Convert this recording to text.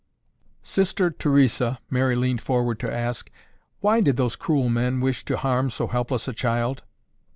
"Sister Theresa," Mary leaned forward to ask, "why did those cruel men wish to harm so helpless a child?"